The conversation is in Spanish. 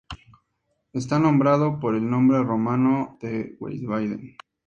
Está nombrado por el nombre romano de Wiesbaden.